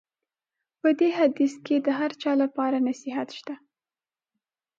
په دې حدیث کې د هر چا لپاره نصیحت شته.